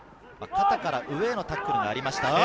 肩から上へのタックルがありました。